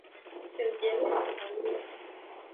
Usimjeruhi ngamia